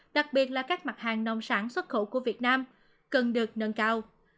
đặc biệt là các mặt hàng nông sản xuất khẩu của việt nam cần được nâng cao